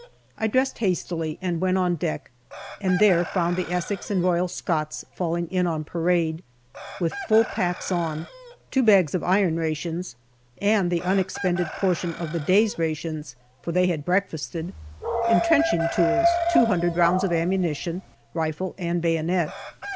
I dressed hastily and went on deck, and there found the Essex and Royal Scots falling in on parade, with full packs on, two bags of iron rations, and the unexpended portion of the day's rations (for they had breakfasted), entrenching tools, two hundred rounds of ammunition, rifle and baj'onet.